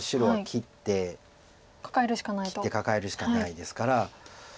切ってカカえるしかないですから。